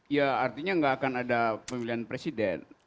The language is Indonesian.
ya artinya nggak akan ada pemilihan presiden